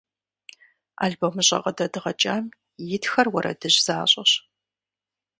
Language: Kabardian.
Албомыщӏэ къыдэдгъэкӏам итхэр уэрэдыжь защӏэщ.